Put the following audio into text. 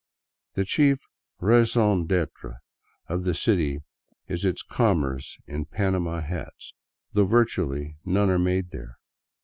The chief raison d'etre of the city is its commerce in " panama " hats, though virtually none are made there.